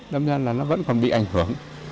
năm nay là nó vẫn còn bị ảnh hưởng